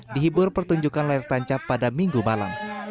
dihibur pertunjukan layar tancap pada minggu malam